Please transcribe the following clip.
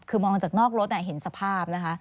คือมองจากนอกรถเห็นสภาพนะคะ